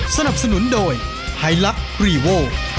สนับสนุนโดยไฮลักษ์รีโว